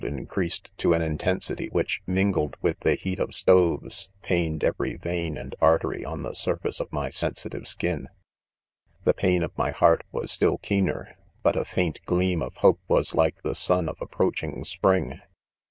increased to an intensity which, mingled with the heat of stoves, pained every vein and ar tery on the surface of my sensitive skin. The pain of niy heart was still keener ; but a faint gleam of hope' was like the sun of approaching spring.